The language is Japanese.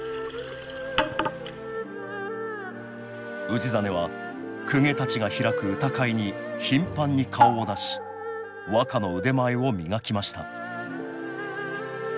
氏真は公家たちが開く歌会に頻繁に顔を出し和歌の腕前を磨きました